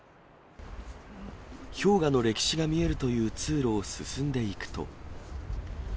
氷河の歴史が見えるという通路を進んでいくと。